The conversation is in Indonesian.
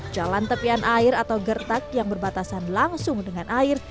jalan tepian air atau gertak yang berbatasan langsung dengan air